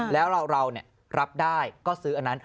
แล้วเรารับได้ก็ซื้ออันนั้น